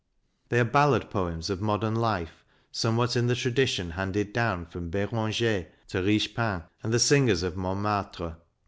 They are ballad poems of modern life, some what in the tradition handed down from Beranger to Richepin and the singers of Montmartre.